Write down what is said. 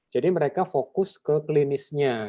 mereka fokus ke klinisnya